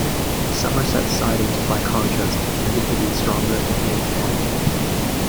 Somerset ciders, by contrast, have tended to be stronger and more tannic.